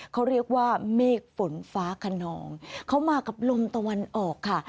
เขาเรียกว่าเมฆฝนฟ้าขนองเขามากับลมตะวันออกค่ะ